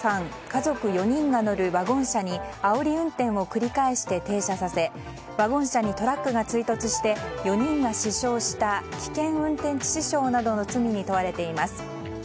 家族４人が乗るワゴン車にあおり運転を繰り返して停車させワゴン車にトラックが追突して４人が死傷した危険運転致死傷などの罪に問われています。